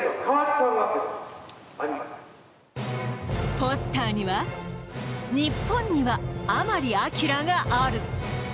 ポスターには「日本には甘利明がある」